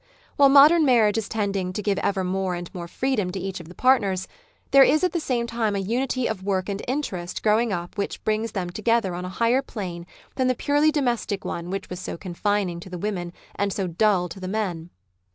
While modern marriage is tending to give ever more and more freedom to each of the partners, there is at the same time a unity of work and interest grow ing up which brings them together on a higher plane than the purely domestic one which was so confining to the women and so dull to the men.